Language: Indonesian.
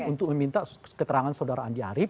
untuk meminta keterangan saudara andi arief